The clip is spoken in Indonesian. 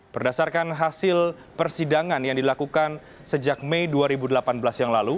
berdasarkan hasil persidangan yang dilakukan sejak mei dua ribu delapan belas yang lalu